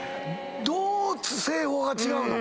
どう製法が違うの？